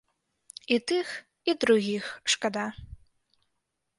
І тых, і другіх шкада.